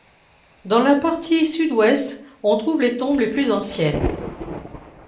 Dans la partie sud-ouest, on trouve les tombes les plus anciennes.